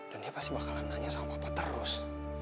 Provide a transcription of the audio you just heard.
dan dia pasti bakalan nanya sama papa terus